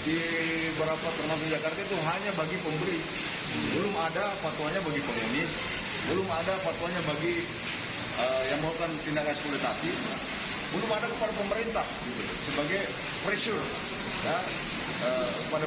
sehingga dalam fatwa ini dikeluarkan dirajib hukumnya artinya kalau ada satu warga yang melakukan tindakan kegiatan ini maka pemerintah berdosa